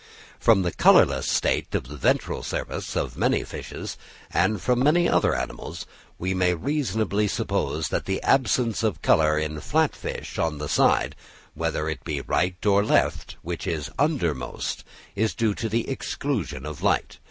From the colourless state of the ventral surface of most fishes and of many other animals, we may reasonably suppose that the absence of colour in flat fish on the side, whether it be the right or left, which is under most, is due to the exclusion of light.